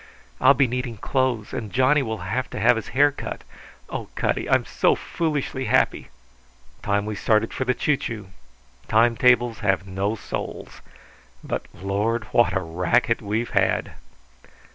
"I'll be needing clothes, and Johnny will have to have his hair cut. Oh, Cutty, I'm so foolishly happy!" "Time we started for the choo choo. Time tables have no souls. But, Lord, what a racket we've had!"